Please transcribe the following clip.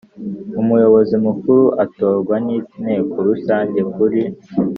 Umuyobozi mukuru atorwa n inteko rusange kuri